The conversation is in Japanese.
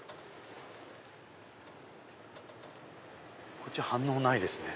こっち反応ないですね。